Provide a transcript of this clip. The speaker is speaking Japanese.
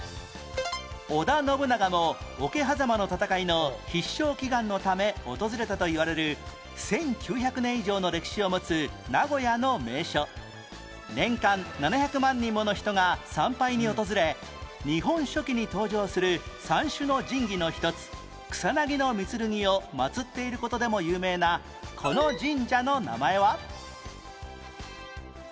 織田信長も桶狭間の戦いの必勝祈願のため訪れたといわれる１９００年以上の歴史を持つ名古屋の名所年間７００万人もの人が参拝に訪れ『日本書紀』に登場する三種の神器の一つ草薙神剣を祭っている事でも有名なこの神社の名前は？